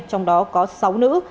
trong đó có sáu nữ